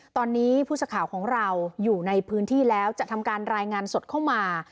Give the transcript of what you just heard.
ตอนนี้ผู้สื่อข่าวของเราอยู่ในพื้นที่แล้วจะทำการรายงานสดเข้ามา